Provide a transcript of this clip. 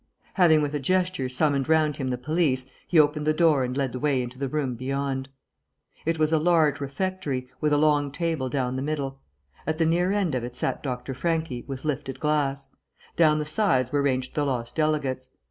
Having with a gesture summoned round him the police, he opened the door and led the way into the room beyond. It was a large refectory, with a long table down the middle. At the near end of it sat Dr. Franchi, with lifted glass; down the sides were ranged the lost delegates.